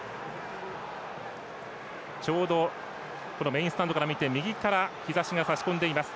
ちょうどメインスタンドから見て右から日ざしがさしこんでいます。